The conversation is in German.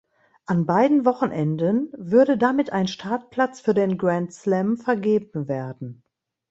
An beiden Wochenenden würde damit ein Startplatz für den Grand Slam vergeben werden.